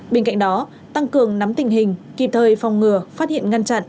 bên cạnh đó tăng cường nắm tình hình kịp thời phòng ngừa phát hiện ngăn chặn